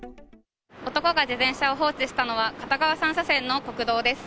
男が自転車を放置したのは、片側３車線の国道です。